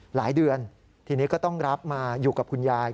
หลายเดือนทีนี้ก็ต้องรับมาอยู่กับคุณยาย